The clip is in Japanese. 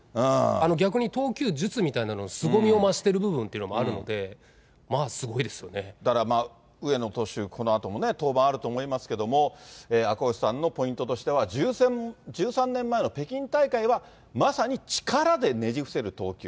逆に投球術みたいなのがすごみを増してる部分というのもあるので、上野投手、このあともね、登板あると思いますけども、赤星さんのポイントとしては、１３年前の北京大会はまさに力でねじ伏せる投球。